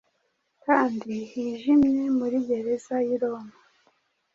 kandi hijimye muri gereza y’i Roma.